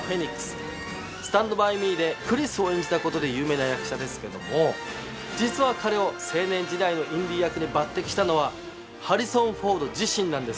『スタンド・バイ・ミー』でクリスを演じたことで有名な役者ですけども実は彼を青年時代のインディ役で抜てきしたのはハリソン・フォード自身なんです。